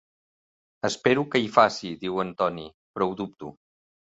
"Espero que hi faci", diu en Toni, "però ho dubto".